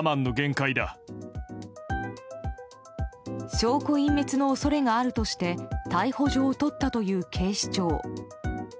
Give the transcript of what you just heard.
証拠隠滅の恐れがあるとして逮捕状を取ったという警視庁。